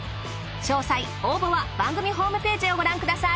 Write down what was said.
詳細応募は番組ホームページをご覧ください。